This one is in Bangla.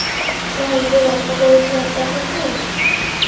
শহরকে রক্ষা করছে একটা কুকুর?